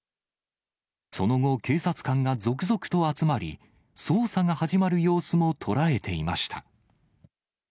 その後、警察官が続々と集まり、捜査が始まる様子も捉えていました。